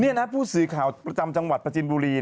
นี่นะผู้สื่อข่าวประจำจังหวัดประจินบุรี